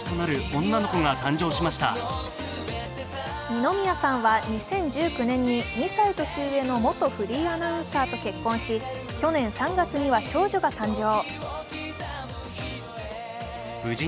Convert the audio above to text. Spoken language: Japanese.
二宮さんは２０１９年に２歳年上の元フリーアナウンサーと結婚し去年３月には長女が誕生。